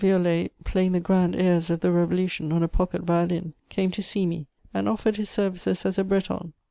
Violet playing the grand airs of the Revolution on a pocket violin came to see me, and offered his services as a Breton.